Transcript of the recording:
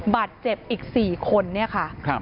บาดเจ็บอีก๔คนเนี่ยค่ะ